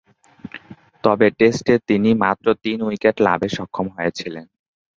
তবে, টেস্টে তিনি মাত্র তিন উইকেট লাভে সক্ষম হয়েছিলেন।